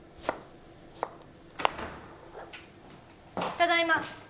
ただいま。